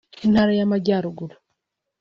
intara y’Amajyaruguru